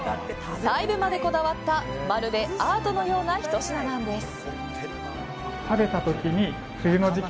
細部までこだわった、まるでアートのようなひと品なんです。